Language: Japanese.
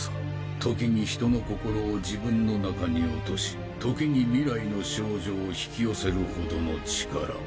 時にひとの心を自分の中に落とし時に未来の少女を引き寄せるほどの力。